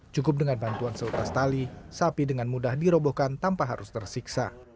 cukup dengan bantuan seutas tali sapi dengan mudah dirobohkan tanpa harus tersiksa